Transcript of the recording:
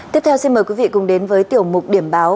tiếp theo xin mời quý vị cùng đến với tiểu mục điểm báo